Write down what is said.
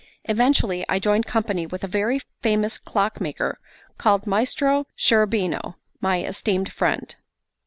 Eventually I joined company with a very famous clockmaker, called Maestro Cherubino, my esteemed friend.